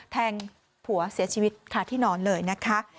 แทงผัวเสียชีวิตค่ะที่นอนเลยนะคะ